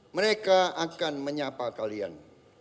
mereka akan menyapa kalian